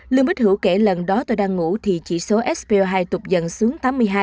lương bích hữu kể lần đó tôi đang ngủ thì chỉ số sp hai tục dần xuống tám mươi hai